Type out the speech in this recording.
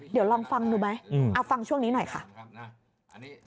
เดี๋ยวลองฟังดูไหมเอาฟังช่วงนี้หน่อยค่ะ